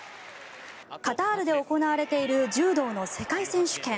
カタールで行われている柔道の世界選手権。